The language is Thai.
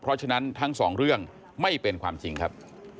เพราะฉะนั้นทั้งสองเรื่องไม่เป็นความจริงครับ